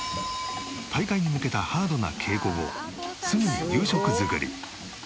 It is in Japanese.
大会に向けたハードな稽古後すぐに夕食作り。